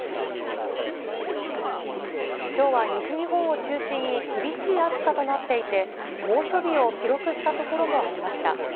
きょうは西日本を中心に厳しい暑さとなっていて、猛暑日を記録した所もありました。